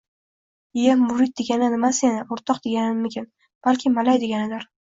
Iye, “murid” degani nimasi yana? “O‘rtoq” deganimikin? Balki, “malay” deganidir?